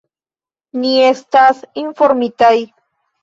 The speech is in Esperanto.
Ni estas informitaj.